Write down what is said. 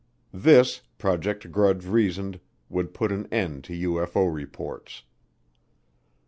This, Project Grudge reasoned, would put an end to UFO reports.